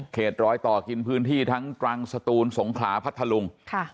เขตร้อยต่อกินพื้นที่ทั้งกลางศตูลสงขาพัทธรุง